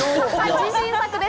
自信作です。